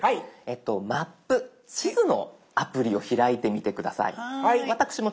「マップ」地図のアプリを開いてみて下さい。